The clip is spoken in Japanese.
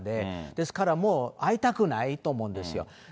ですからもう、会いたくないと思うんですよ。